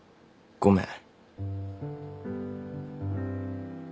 ごめん。